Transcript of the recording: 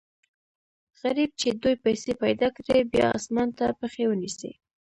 غریب چې دوې پیسې پیدا کړي، بیا اسمان ته پښې و نیسي.